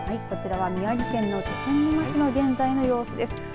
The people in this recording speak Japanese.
こちらは宮城県の気仙沼市の現在の様子です。